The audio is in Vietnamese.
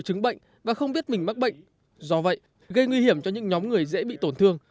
chứng bệnh và không biết mình mắc bệnh do vậy gây nguy hiểm cho những nhóm người dễ bị tổn thương